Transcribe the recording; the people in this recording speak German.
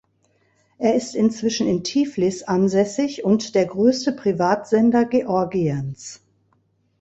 Er ist inzwischen in Tiflis ansässig und der größte Privatsender Georgiens.